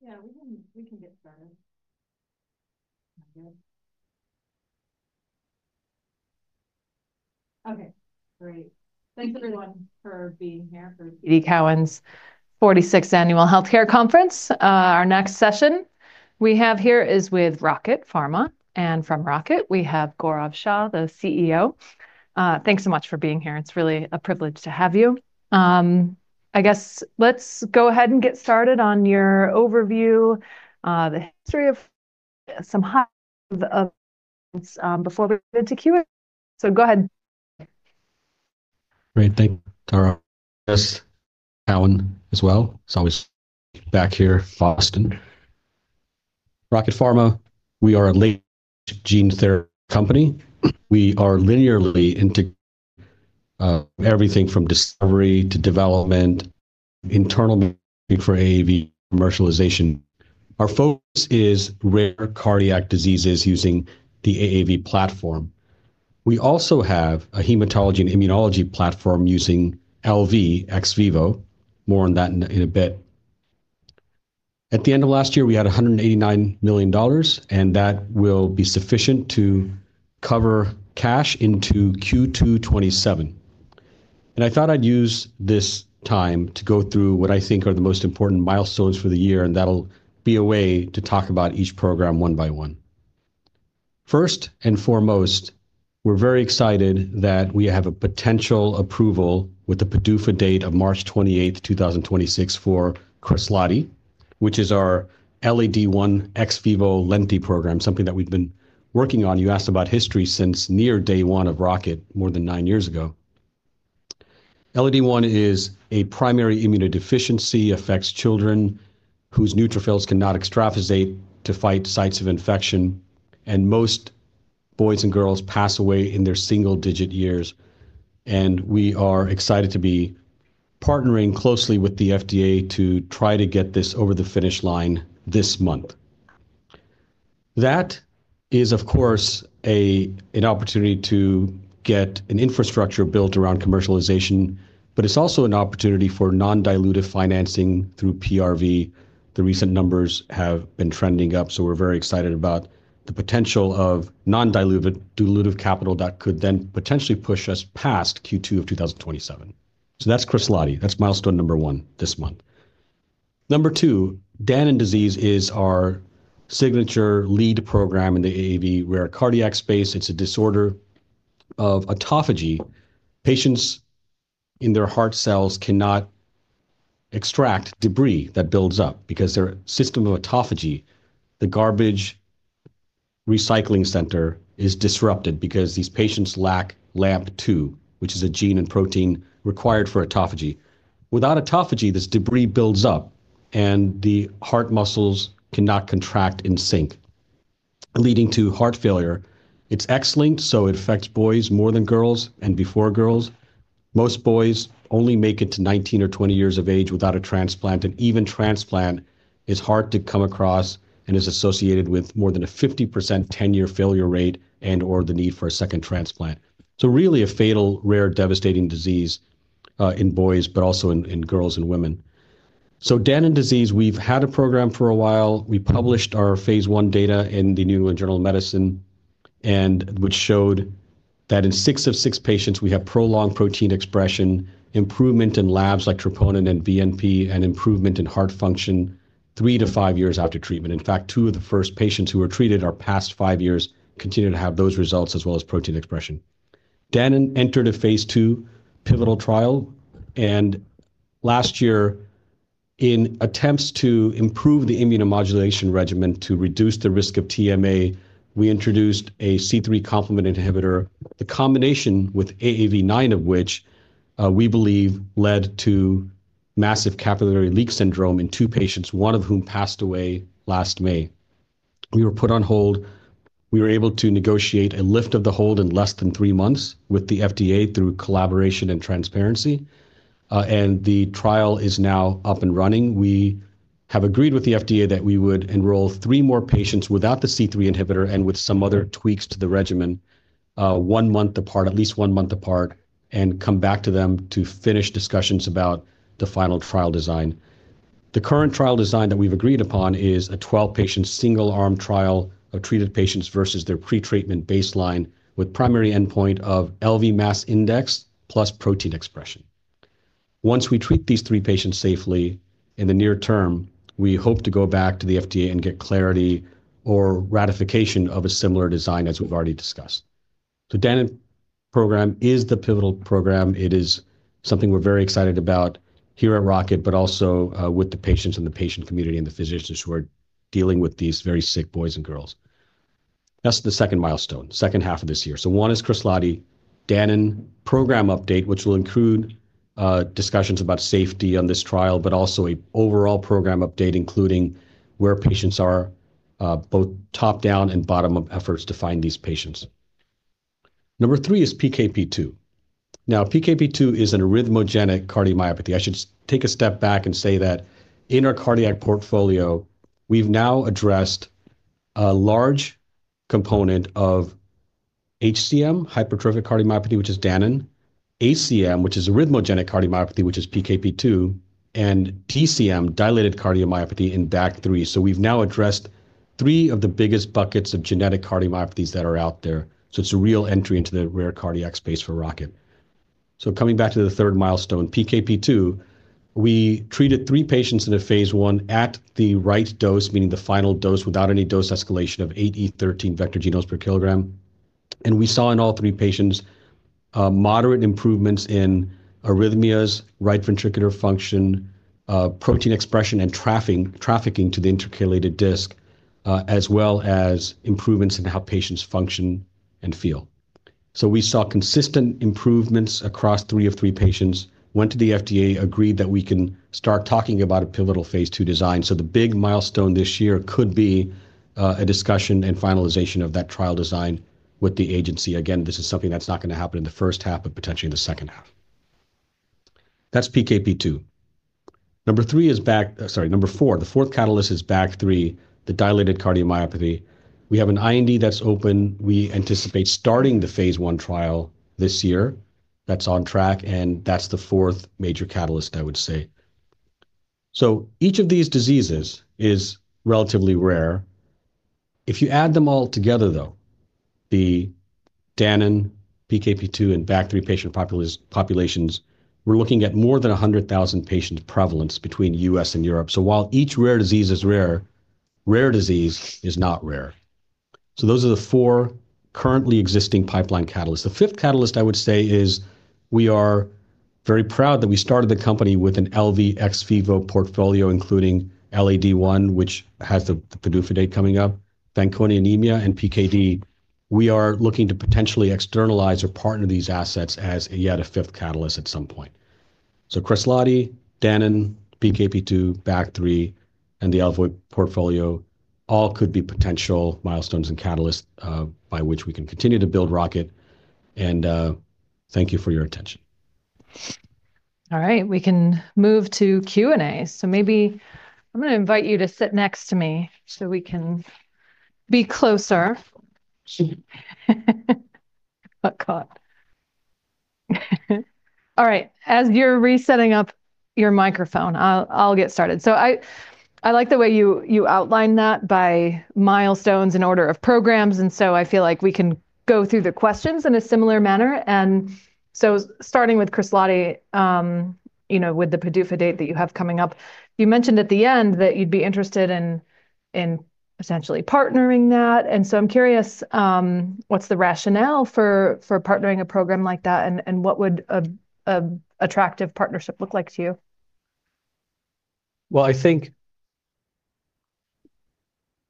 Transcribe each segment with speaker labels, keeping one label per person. Speaker 1: Yeah, we can get started. Good. Okay, great. Thanks everyone for being here for TD Cowen's 46th Annual Healthcare Conference. Our next session we have here is with Rocket Pharma, and from Rocket we have Gaurav Shah, the CEO. Thanks so much for being here. It's really a privilege to have you. I guess let's go ahead and get started on your overview, the history of some high of before we get into QA. Go ahead.
Speaker 2: Great. Thank you, Tara. Yes. Cowen as well. It's always back here, Boston. Rocket Pharma, we are a large gene therapy company. We are linearly into everything from discovery to development, internal for AAV commercialization. Our focus is rare cardiac diseases using the AAV platform. We also have a hematology and immunology platform using LV ex vivo. More on that in a, in a bit. At the end of last year, we had $189 million, and that will be sufficient to cover cash into Q2 2027. I thought I'd use this time to go through what I think are the most important milestones for the year, and that'll be a way to talk about each program one by one. First and foremost, we're very excited that we have a potential approval with the PDUFA date of March 28, 2026 for KRESLADI, which is our LAD-I ex vivo Lenti program, something that we've been working on. You asked about history since near day one of Rocket more than nine years ago. LAD-I is a primary immunodeficiency, affects children whose neutrophils cannot extravasate to fight sites of infection, most boys and girls pass away in their single-digit years. We are excited to be partnering closely with the FDA to try to get this over the finish line this month. That is, of course, an opportunity to get an infrastructure built around commercialization, it's also an opportunity for non-dilutive financing through PRV. The recent numbers have been trending up, we're very excited about the potential of non-dilutive, dilutive capital that could then potentially push us past Q2 of 2027. That's KRESLADI. That's milestone one this month. two, Danon Disease is our signature lead program in the AAV, rare cardiac space. It's a disorder of autophagy. Patients in their heart cells cannot extract debris that builds up because their system of autophagy, the garbage recycling center, is disrupted because these patients lack LAMP2, which is a gene and protein required for autophagy. Without autophagy, this debris builds up, and the heart muscles cannot contract in sync, leading to heart failure. It's X-linked, it affects boys more than girls and before girls. Most boys only make it to 19 or 20 years of age without a transplant. Even transplant is hard to come across and is associated with more than a 50% 10-year failure rate and or the need for a second transplant. Really a fatal, rare, devastating disease in boys, but also in girls and women. Danon disease, we've had a program for a while. We published our phase I data in The New England Journal of Medicine which showed that in six of six patients, we have prolonged protein expression, improvement in labs like troponin and BNP, and improvement in heart function three to five years after treatment. In fact, two of the first patients who were treated are past five years, continue to have those results as well as protein expression. Danon entered a phase II pivotal trial. Last year in attempts to improve the immunomodulation regimen to reduce the risk of TMA, we introduced a C3 complement inhibitor. The combination with AAV9 of which, we believe led to massive capillary leak syndrome in two patients, one of whom passed away last May. We were put on hold. We were able to negotiate a lift of the hold in less than three months with the FDA through collaboration and transparency. The trial is now up and running. We have agreed with the FDA that we would enroll three more patients without the C3 inhibitor and with some other tweaks to the regimen, one month apart, at least one month apart, and come back to them to finish discussions about the final trial design. The current trial design that we've agreed upon is a 12-patient single-arm trial of treated patients versus their pre-treatment baseline with primary endpoint of LV mass index plus protein expression. Once we treat these three patients safely in the near term, we hope to go back to the FDA and get clarity or ratification of a similar design as we've already discussed. The Danon program is the pivotal program. It is something we're very excited about here at Rocket, but also with the patients and the patient community and the physicians who are dealing with these very sick boys and girls. That's the second milestone, second half of this year. One is KRESLADI Danon program update, which will include discussions about safety on this trial, but also a overall program update, including where patients are, both top-down and bottom-up efforts to find these patients. Number three is PKP2. PKP2 is an arrhythmogenic cardiomyopathy. I should take a step back and say that in our cardiac portfolio, we've now addressed a large component of HCM, hypertrophic cardiomyopathy, which is Danon ACM, which is arrhythmogenic cardiomyopathy, which is PKP2 and DCM dilated cardiomyopathy in BAG3. We've now addressed three of the biggest buckets of genetic cardiomyopathies that are out there. It's a real entry into the rare cardiac space for Rocket. Coming back to the third milestone, PKP2, we treated three patients in a phase I at the right dose, meaning the final dose without any dose escalation of 8E13 vector genomes per kilogram. We saw in all three patients moderate improvements in arrhythmias, right ventricular function, protein expression and trafficking to the intercalated disc, as well as improvements in how patients function and feel. We saw consistent improvements across three of three patients. Went to the FDA, agreed that we can start talking about a pivotal phase II design. The big milestone this year could be a discussion and finalization of that trial design with the agency. Again, this is something that's not going to happen in the first half, but potentially in the second half. That's PKP2. Number 4, the fourth catalyst is BAG3, the dilated cardiomyopathy. We have an IND that's open. We anticipate starting the phase I trial this year. That's on track, and that's the fourth major catalyst I would say. Each of these diseases is relatively rare. If you add them all together, though, the Danon, PKP2, and BAG3 patient populations, we're looking at more than 100,000 patient prevalence between U.S. and Europe. While each rare disease is rare disease is not rare. Those are the four currently existing pipeline catalysts. The fifth catalyst I would say is we are very proud that we started the company with an LV ex vivo portfolio, including LAD-I, which has the PDUFA date coming up, Fanconi anemia and PKD. We are looking to potentially externalize or partner these assets as yet a fifth catalyst at some point. KRESLADI, Danon, PKP2, BAG3 and the LV portfolio all could be potential milestones and catalysts by which we can continue to build Rocket and thank you for your attention.
Speaker 1: All right, we can move to Q&A. Maybe I'm going to invite you to sit next to me so we can be closer. Got caught. All right. As you're resetting up your microphone, I'll get started. I like the way you outline that by milestones in order of programs. I feel like we can go through the questions in a similar manner. Starting with KRESLADI, you know, with the PDUFA date that you have coming up. You mentioned at the end that you'd be interested in essentially partnering that. I'm curious, what's the rationale for partnering a program like that and what would a attractive partnership look like to you?
Speaker 2: Well, I think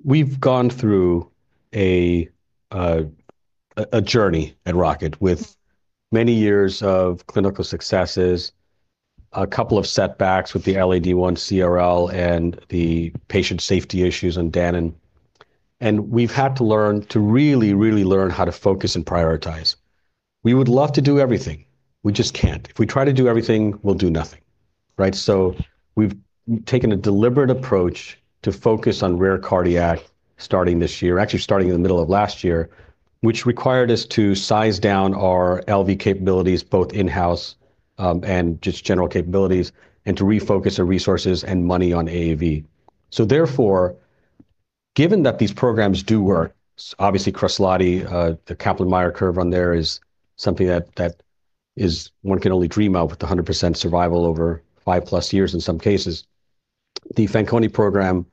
Speaker 2: we've gone through a journey at Rocket with many years of clinical successes, a couple of setbacks with the LAD-I CRL and the patient safety issues on Danon. We've had to really learn how to focus and prioritize. We would love to do everything. We just can't. If we try to do everything, we'll do nothing, right? We've taken a deliberate approach to focus on rare cardiac starting this year. Actually, starting in the middle of last year, which required us to size down our LV capabilities, both in-house, and just general capabilities, and to refocus our resources and money on AAV. Therefore, given that these programs do work, obviously KRESLADI, the Kaplan-Meier curve on there is something that is one can only dream of with a 100% survival over five plus years in some cases. The Fanconi program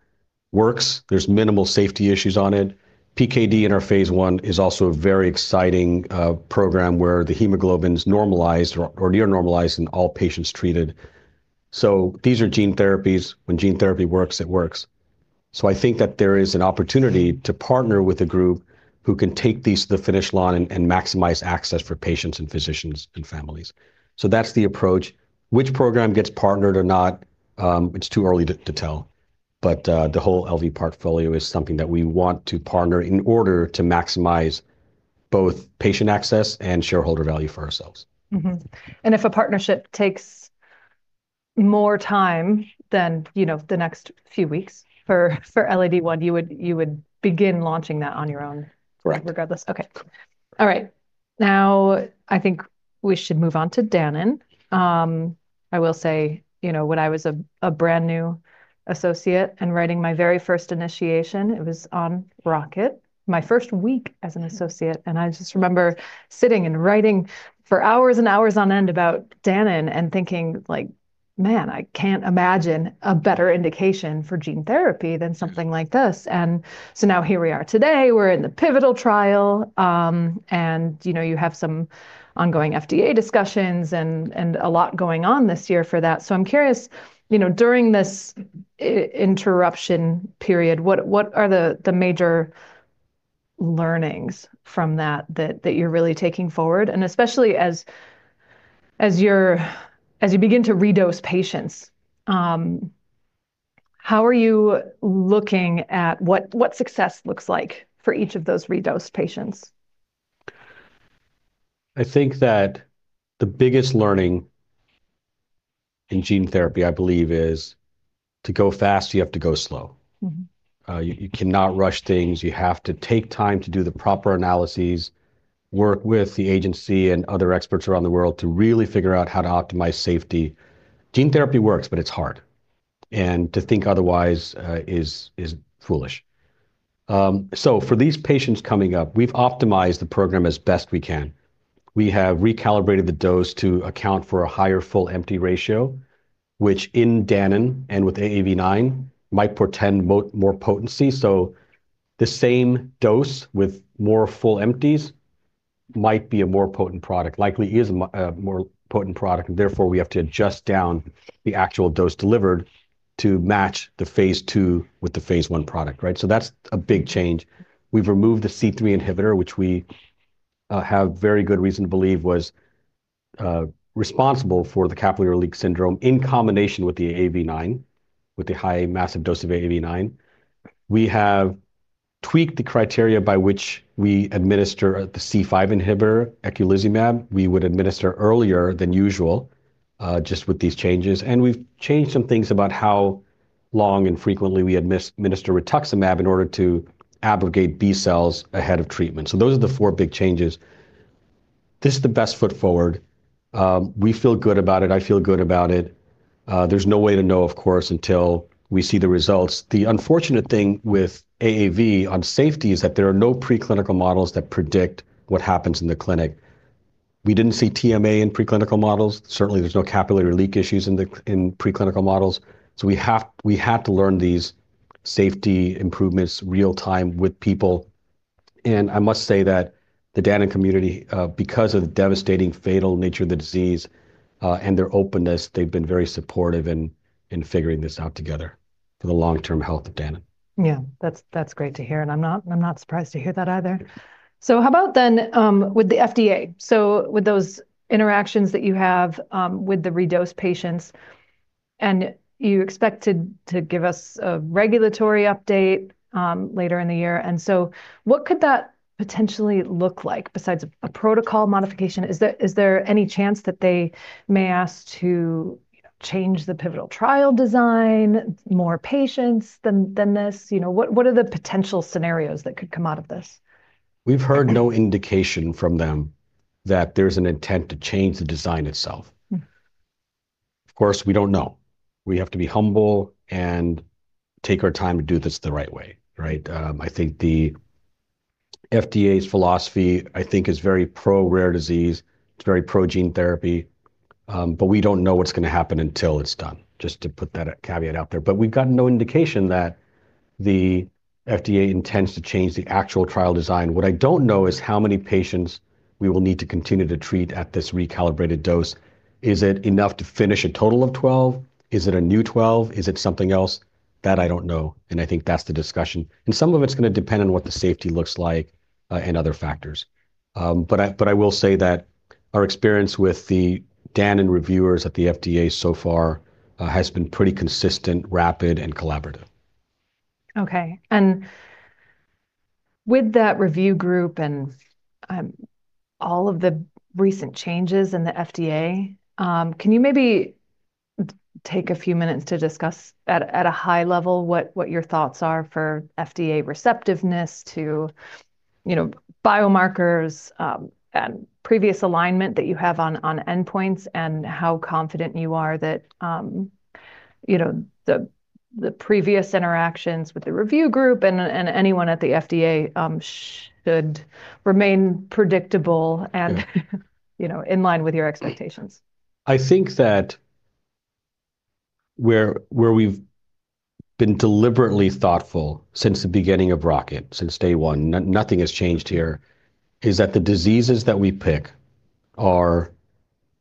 Speaker 2: works. There's minimal safety issues on it. PKD in our phase I is also a very exciting program where the hemoglobin is normalized or near normalized in all patients treated. These are gene therapies. When gene therapy works, it works. I think that there is an opportunity to partner with a group who can take these to the finish line and maximize access for patients and physicians and families. That's the approach. Which program gets partnered or not, it's too early to tell, but the whole LV portfolio is something that we want to partner in order to maximize both patient access and shareholder value for ourselves.
Speaker 1: Mm-hmm. If a partnership takes more time than, you know, the next few weeks for LAD-I, you would begin launching that on your own...
Speaker 2: Correct.
Speaker 1: Regardless. Okay. All right. I think we should move on to Danon. I will say, you know, when I was a brand new associate and writing my very first initiation, it was on Rocket my first week as an associate, and I just remember sitting and writing for hours and hours on end about Danon and thinking like, "Man, I can't imagine a better indication for gene therapy than something like this." Here we are today, we're in the pivotal trial, and you know, you have some ongoing FDA discussions and a lot going on this year for that. I'm curious, you know, during this interruption period, what are the major learnings from that you're really taking forward? Especially as you're, as you begin to redose patients, how are you looking at what success looks like for each of those redosed patients?
Speaker 2: I think that the biggest learning in gene therapy, I believe is to go fast, you have to go slow.
Speaker 1: Mm-hmm.
Speaker 2: You cannot rush things. You have to take time to do the proper analyses work with the agency and other experts around the world to really figure out how to optimize safety gene therapy works, but it's hard and to think otherwise is foolish. For these patients coming up, we've optimized the program as best we can. We have recalibrated the dose to account for a higher full/empty ratio, which in Danon and with AAV9 might portend more potency. The same dose with more full empties might be a more potent product, likely is a more potent product, and therefore we have to adjust down the actual dose delivered to match the phase II with the phase I product, right? That's a big change. We've removed the C3 inhibitor, which we have very good reason to believe was responsible for the capillary leak syndrome in combination with the AAV9, with the high massive dose of AAV9. We have tweaked the criteria by which we administer the C5 inhibitor eculizumab we would administer earlier than usual just with these changes. We've changed some things about how long and frequently we minister rituximab in order to abrogate B-cells ahead of treatment. Those are the four big changes. This is the best foot forward. We feel good about it. I feel good about it. There's no way to know, of course, until we see the results. The unfortunate thing with AAV on safety is that there are no preclinical models that predict what happens in the clinic. We didn't see TMA in preclinical models. Certainly, there's no capillary leak issues in the, in preclinical models. We have to learn these safety improvements real time with people. I must say that the Danon community, because of the devastating fatal nature of the disease, and their openness, they've been very supportive in figuring this out together for the long-term health of Danon.
Speaker 1: Yeah. That's great to hear. I'm not surprised to hear that either. How about then, with the FDA, so with those interactions that you have with the redosed patients. You expect to give us a regulatory update later in the year. What could that potentially look like besides a protocol modification? Is there any chance that they may ask to change the pivotal trial design, more patients than this? You know, what are the potential scenarios that could come out of this?
Speaker 2: We've heard no indication from them that there's an intent to change the design itself.
Speaker 1: Mm.
Speaker 2: Of course, we don't know. We have to be humble and take our time to do this the right way, right. I think the FDA's philosophy, I think is very pro-rare disease. It's very pro-gene therapy. We don't know what's gonna happen until it's done, just to put that caveat out there. We've got no indication that the FDA intends to change the actual trial design. What I don't know is how many patients we will need to continue to treat at this recalibrated dose. Is it enough to finish a total of 12? Is it a new 12? Is it something else? That I don't know, and I think that's the discussion. Some of it's gonna depend on what the safety looks like, and other factors. I will say that our experience with the Danon reviewers at the FDA so far, has been pretty consistent, rapid, and collaborative.
Speaker 1: Okay. With that review group and all of the recent changes in the FDA, can you maybe take a few minutes to discuss at a high level what your thoughts are for FDA receptiveness to, you know, biomarkers, and previous alignment that you have on endpoints and how confident you are that, you know, the previous interactions with the review group and anyone at the FDA, could remain predictable and you know, in line with your expectations?
Speaker 2: I think that where we've been deliberately thoughtful since the beginning of Rocket, since day one, nothing has changed here, is that the diseases that we pick are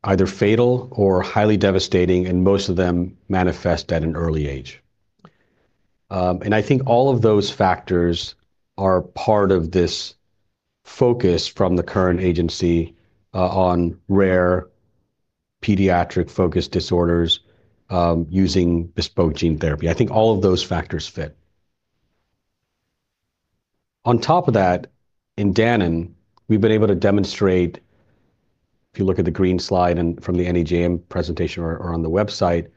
Speaker 2: either fatal or highly devastating, and most of them manifest at an early age. I think all of those factors are part of this focus from the current agency on rare pediatric-focused disorders using bespoke gene therapy. I think all of those factors fit. On top of that, in Danon, we've been able to demonstrate, if you look at the green slide and from the NEJM presentation or on the website,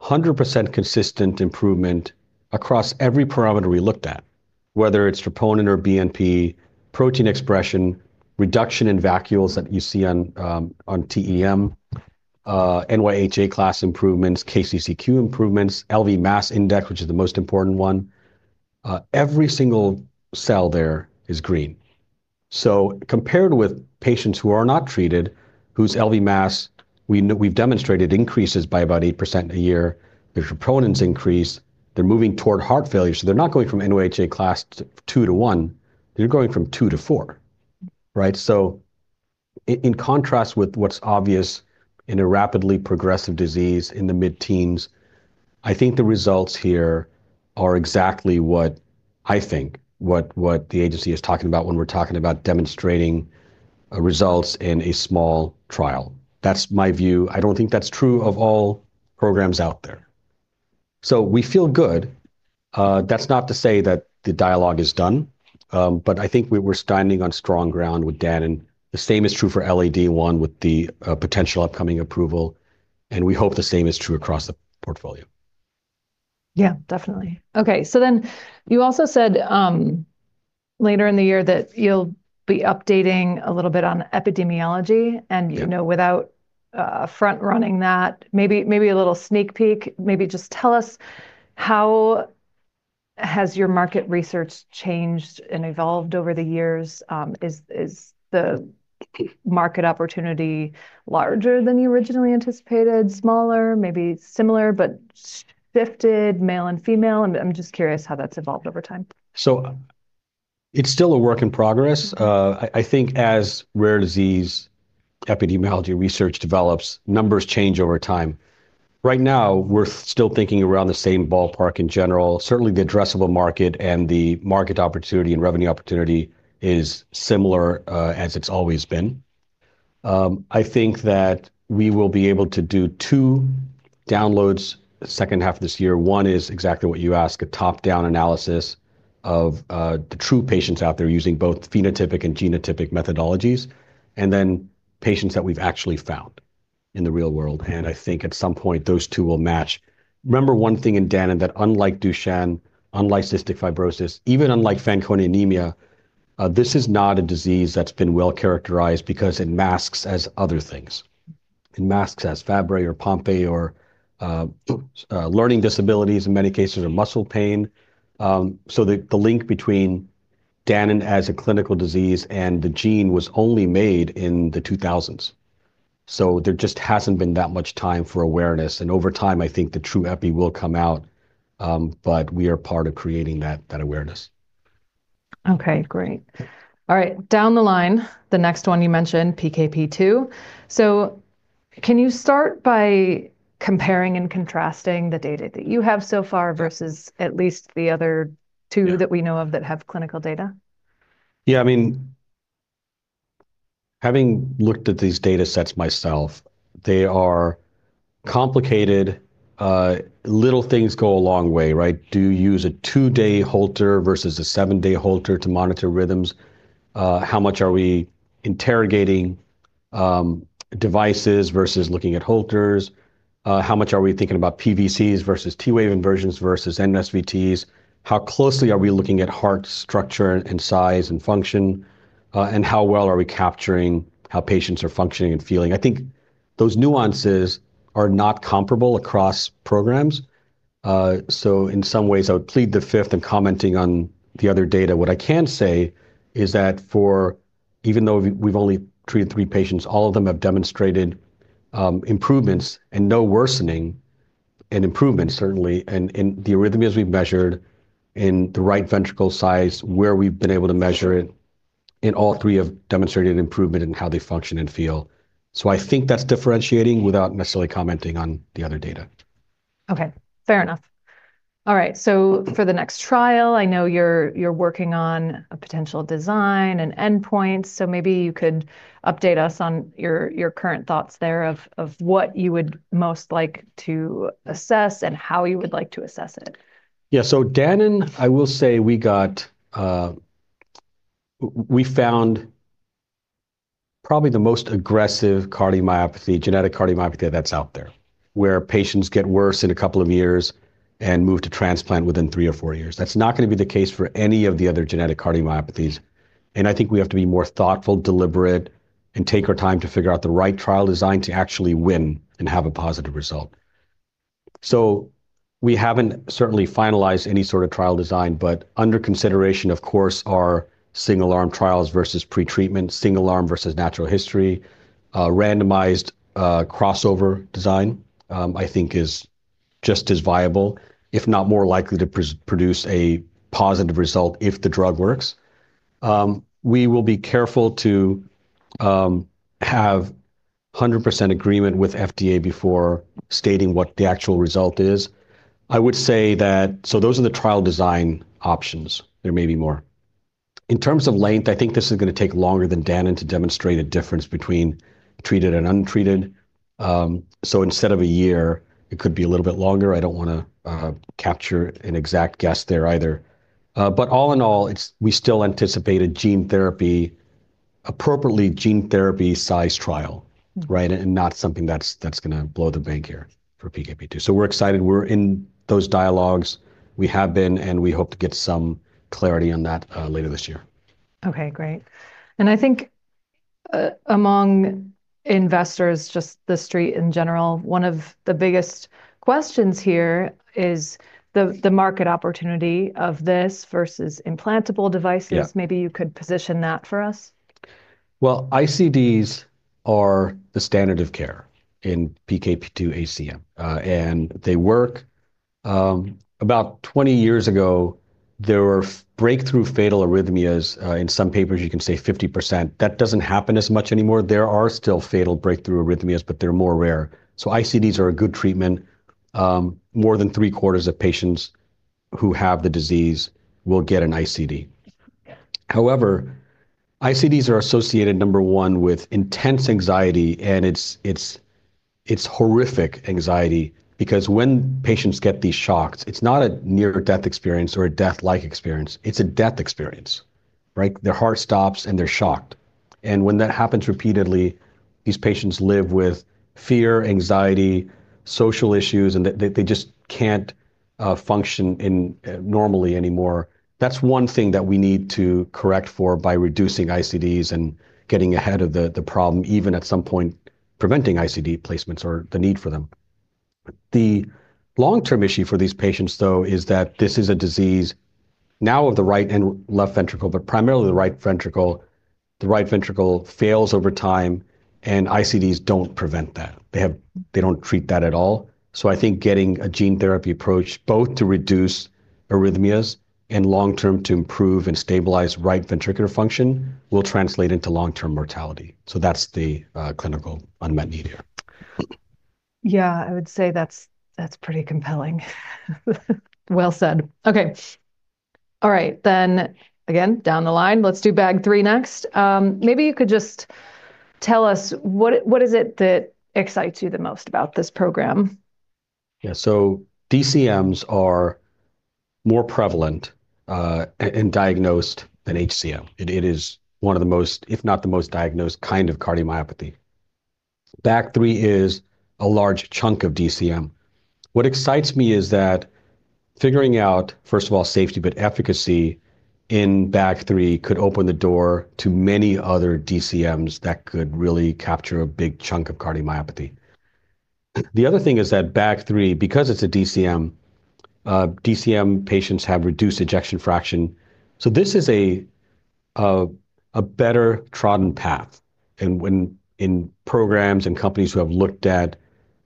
Speaker 2: 100% consistent improvement across every parameter we looked at, whether it's troponin or BNP, protein expression, reduction in vacuoles that you see on TEM, NYHA Class improvements, KCCQ improvements, LV mass index, which is the most important one. Every single cell there is green. Compared with patients who are not treated, whose LV mass we've demonstrated increases by about 8% a year, their troponins increase. They're moving toward heart failure. They're not going from NYHA Class II to Class I, they're going from Class II to Class IV, right? In contrast with what's obvious in a rapidly progressive disease in the mid-teens, I think the results here are exactly what I think, what the agency is talking about when we're talking about demonstrating results in a small trial. That's my view. I don't think that's true of all programs out there. We feel good. That's not to say that the dialogue is done, but I think we're standing on strong ground with Duchenne. The same is true for LAD-I with the potential upcoming approval and we hope the same is true across the portfolio.
Speaker 1: Yeah. Definitely. Okay, you also said, later in the year that you'll be updating a little bit on epidemiology.
Speaker 2: Yep.
Speaker 1: You know, without front-running that maybe a little sneak peek, maybe just tell us how has your market research changed and evolved over the years? Is the market opportunity larger than you originally anticipated? Smaller? Maybe similar but shifted male and female? I'm just curious how that's evolved over time.
Speaker 2: It's still a work in progress. I think as rare disease epidemiology research develops, numbers change over time. Right now, we're still thinking around the same ballpark in general. Certainly, the addressable market and the market opportunity and revenue opportunity is similar, as it's always been. I think that we will be able to do two downloads the second half of this year. One is exactly what you asked, a top-down analysis of, the true patients out there using both phenotypic and genotypic methodologies, and then patients that we've actually found in the real world. I think at some point those two will match. One thing in Duchenne that unlike Duchenne, unlike cystic fibrosis, even unlike Fanconi anemia, this is not a disease that's been well characterized because it masks as other things. It masks as Fabry or Pompe or learning disabilities in many cases, or muscle pain. The link between Duchenne as a clinical disease and the gene was only made in the 2000s, so there just hasn't been that much time for awareness. Over time, I think the true epi will come out, but we are part of creating that awareness.
Speaker 1: Okay, great. All right, down the line, the next one you mentioned PKP2. Can you start by comparing and contrasting the data that you have so far versus at least the other two-.
Speaker 2: Yeah....
Speaker 1: that we know of that have clinical data?
Speaker 2: I mean, having looked at these data sets myself, they are complicated. Little things go a long way, right? Do you use a two day Holter versus a seven day Holter to monitor rhythms? How much are we interrogating devices versus looking at Holters? How much are we thinking about PVCs versus T wave inversions versus NSVT? How closely are we looking at heart structure and size and function? How well are we capturing how patients are functioning and feeling? I think those nuances are not comparable across programs. In some ways, I would plead the 5th in commenting on the other data. What I can say is that for even though we've only treated three patients, all of them have demonstrated improvements and no worsening, and improvements certainly. The arrhythmias we've measured in the right ventricle size where we've been able to measure it in all three have demonstrated an improvement in how they function and feel. I think that's differentiating without necessarily commenting on the other data.
Speaker 1: Okay. Fair enough. All right, for the next trial, I know you're working on a potential design and endpoints, so maybe you could update us on your current thoughts there of what you would most like to assess and how you would like to assess it.
Speaker 2: Duchenne, I will say we got, we found probably the most aggressive cardiomyopathy, genetic cardiomyopathy that's out there, where patients get worse in a couple of years and move to transplant within three or four years. That's not gonna be the case for any of the other genetic cardiomyopathies, I think we have to be more thoughtful, deliberate, and take our time to figure out the right trial design to actually win and have a positive result. We haven't certainly finalized any sort of trial design, but under consideration, of course, are single-arm trials versus pre-treatment, single-arm versus natural history. Randomized crossover design, I think is just as viable, if not more likely to produce a positive result if the drug works. We will be careful to have 100% agreement with FDA before stating what the actual result is. I would say those are the trial design options. There may be more. In terms of length, I think this is gonna take longer than Duchenne to demonstrate a difference between treated and untreated. Instead of a year, it could be a little bit longer. I don't wanna capture an exact guess there either. All in all, we still anticipate a gene therapy appropriately, gene therapy size trial, right? Not something that's gonna blow the bank here for PKP2. We're excited. We're in those dialogues. We have been, and we hope to get some clarity on that later this year.
Speaker 1: Okay, great. I think, among investors, just the street in general, one of the biggest questions here is the market opportunity of this versus implantable devices.
Speaker 2: Yeah.
Speaker 1: Maybe you could position that for us.
Speaker 2: Well, ICDs are the standard of care in PKP2 ACM, and they work. About 20-years ago, there were breakthrough fatal arrhythmias, in some papers you can say 50%. That doesn't happen as much anymore. There are still fatal breakthrough arrhythmias, but they're more rare. ICDs are a good treatment. More than three-quarters of patients who have the disease will get an ICD. ICDs are associated, number one, with intense anxiety, and it's horrific anxiety because when patients get these shocks, it's not a near-death experience or a death-like experience, it's a death experience, right? Their heart stops, and they're shocked. When that happens repeatedly, these patients live with fear, anxiety, social issues, and they just can't function normally anymore. That's 1 thing that we need to correct for by reducing ICDs and getting ahead of the problem, even at some point preventing ICD placements or the need for them. The long-term issue for these patients, though, is that this is a disease now of the right and left ventricle, but primarily the right ventricle. The right ventricle fails over time. ICDs don't prevent that. They don't treat that at all. I think getting a gene therapy approach both to reduce arrhythmias and long-term to improve and stabilize right ventricular function will translate into long-term mortality. That's the clinical unmet need here.
Speaker 1: Yeah, I would say that's pretty compelling. Well said. Okay. All right, again, down the line. Let's do BAG3 next. Maybe you could just tell us what is it that excites you the most about this program?
Speaker 2: Yeah, DCMs are more prevalent and diagnosed than HCM. It is one of the most, if not the most diagnosed kind of cardiomyopathy. BAG3 is a large chunk of DCM. What excites me is that figuring out, first of all, safety, but efficacy in BAG3 could open the door to many other DCMs that could really capture a big chunk of cardiomyopathy. The other thing is that BAG3, because it's a DCM patients have reduced ejection fraction, so this is a better trodden path. When in programs and companies who have looked at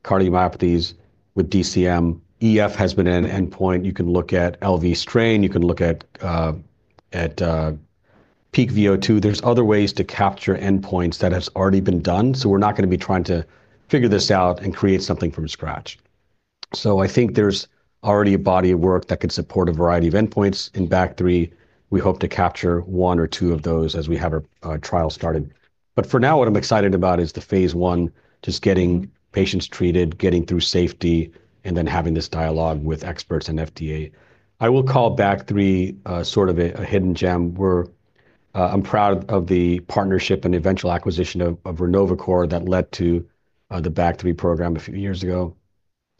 Speaker 2: cardiomyopathies with DCM, EF has been an endpoint. You can look at LV strain, you can look at peak VO2. There's other ways to capture endpoints that has already been done, so we're not gonna be trying to figure this out and create something from scratch. I think there's already a body of work that could support a variety of endpoints. In BAG3, we hope to capture one or two of those as we have our trial started. For now, what I'm excited about is the phase I, just getting patients treated, getting through safety, and then having this dialogue with experts and FDA. I will call BAG3 a, sort of a hidden gem. We're, I'm proud of the partnership and eventual acquisition of Renovacor that led to the BAG3 program a few years ago.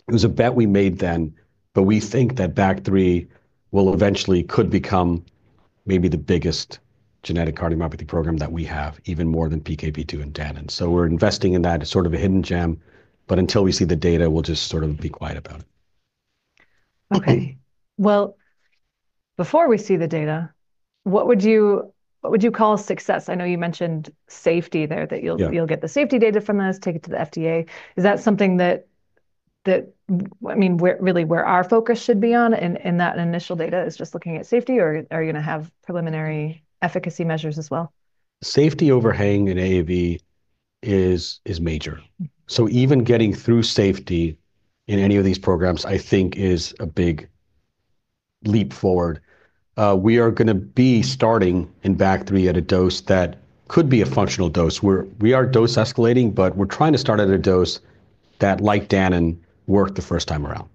Speaker 2: It was a bet we made then. We think that BAG3 will eventually could become maybe the biggest genetic cardiomyopathy program that we have, even more than PKP2 and Danon. We're investing in that as sort of a hidden gem, but until we see the data, we'll just sort of be quiet about it.
Speaker 1: Okay. Well, before we see the data, what would you, what would you call success? I know you mentioned safety there.
Speaker 2: Yeah.
Speaker 1: That you'll get the safety data from this, take it to the FDA. Is that something that, I mean, where, really where our focus should be on in that initial data is just looking at safety, or are you gonna have preliminary efficacy measures as well?
Speaker 2: Safety overhang in AAV is major. Even getting through safety in any of these programs, I think is a big leap forward. We are gonna be starting in BAG3 at a dose that could be a functional dose. We are dose escalating, but we're trying to start at a dose that, like Danon, worked the first time around.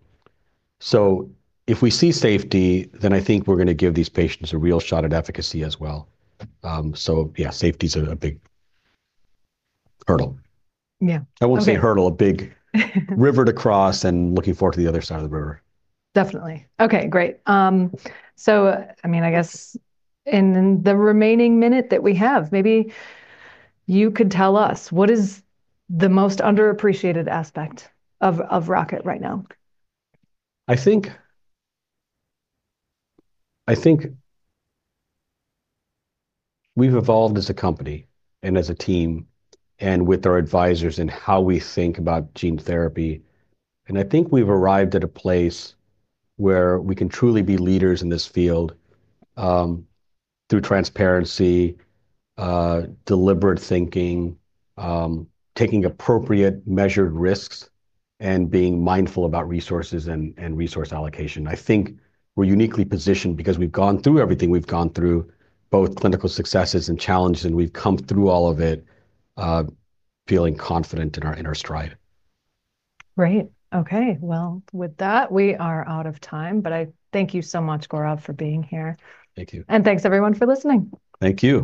Speaker 2: If we see safety, then I think we're gonna give these patients a real shot at efficacy as well. Yeah, safety's a big hurdle.
Speaker 1: Yeah. Okay.
Speaker 2: I won't say hurdle, a big river to cross and looking forward to the other side of the river.
Speaker 1: Definitely. Okay, great. I mean, I guess in the remaining minute that we have, maybe you could tell us what is the most underappreciated aspect of Rocket right now?
Speaker 2: I think we've evolved as a company and as a team and with our advisors in how we think about gene therapy, and I think we've arrived at a place where we can truly be leaders in this field, through transparency, deliberate thinking, taking appropriate measured risks, and being mindful about resources and resource allocation. I think we're uniquely positioned because we've gone through everything we've gone through, both clinical successes and challenges, and we've come through all of it, feeling confident in our inner stride.
Speaker 1: Great. Okay. With that, we are out of time. I thank you so much, Gaurav, for being here.
Speaker 2: Thank you.
Speaker 1: Thanks everyone for listening.
Speaker 2: Thank you.